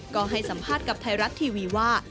ก็ให้สัมภาษณ์กับไทยรัฐทีวีว่า